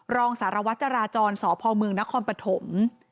รองสารวัฒน์จราจรสพมนครปฐม